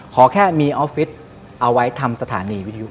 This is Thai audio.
ขอแค่มีออฟฟิศเอาไว้ทำสถานีวิทยุ